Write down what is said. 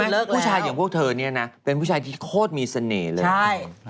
ผู้ชายอย่างพวกเธอเนี่ยนะเป็นผู้ชายที่โคตรมีเสน่ห์เลย